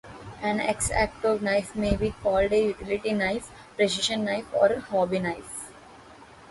An X-Acto knife may be called a utility knife, precision knife or hobby knife.